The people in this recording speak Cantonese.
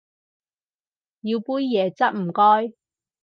要杯椰汁唔該